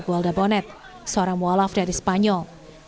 gualda bonet seorang mu alaf dari spanyol